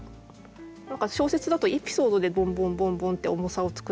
何か小説だとエピソードでボンボンボンボンって「重さ」を作るけど。